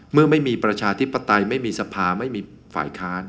เมื่อไม่มีประชาธิปไตยไม่มีสภาไม่มีฝ่ายค้าน